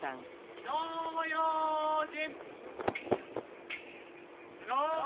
火の用心！